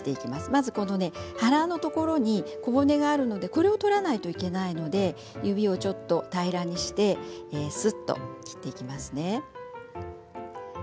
まず腹のところに小骨があるのでこれを取らないといけないので指を平らにしてすっと切っていきますね。